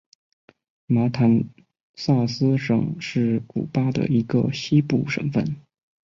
马坦萨斯省是古巴的一个西部省份。